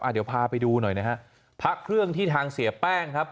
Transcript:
เดี๋ยวพาไปดูหน่อยนะฮะพระเครื่องที่ทางเสียแป้งครับ